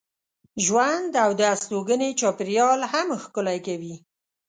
ژوند او د استوګنې چاپېریال هم ښکلی کوي.